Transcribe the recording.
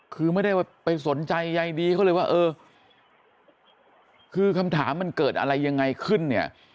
คือไม่ได้ไปสนใจใยดีเขาเลยว่าเออคือคำถามมันเกิดอะไรยังไงขึ้นเนี่ย